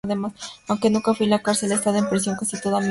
Aunque nunca fui a la cárcel, he estado en prisión casi toda mi vida".